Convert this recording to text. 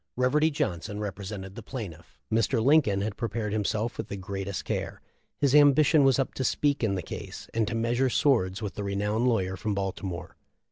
Reverdy Johnson represented the plaintiff. Mr. Lincoln had prepared himself with the gre ' care ; his ambition was up to speak in the case and to measure swords with the renowned lawyer from Baltimore.